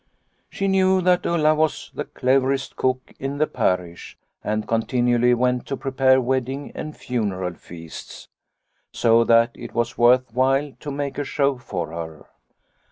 She knew that Ulla was the cleverest cook in the parish and continually went to prepare wedding and funeral feasts, so that it was worth while to make a show for her.